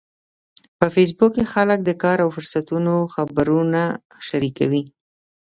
په فېسبوک کې خلک د کار او فرصتونو خبرونه شریکوي